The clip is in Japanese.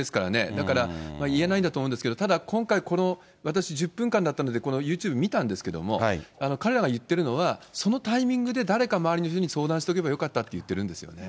だから言えないんだと思うんですけど、ただ今回、私、１０分間だったんでこのユーチューブ見たんですけども、彼らが言ってるのは、そのタイミングで誰か周りの人に相談しておけばよかったって言ってるんですよね。